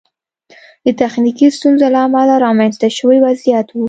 د تخنیکي ستونزو له امله رامنځته شوی وضعیت و.